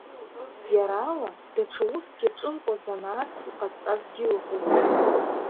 Иара ала даҽа уск иаҿымкәа занааҭс иҟазҵазгьы ыҟоуп.